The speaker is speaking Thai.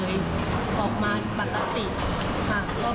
คือน้องเขาก็เป็นตามเป็นตามวัยของน้อง